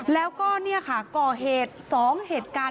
แล้วก็เนี่ยค่ะก่อเหตุ๒เหตุการณ์